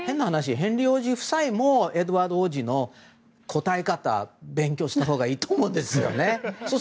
ヘンリー王子夫妻もエドワード王子の答え方を勉強したほうがいいと思うんです。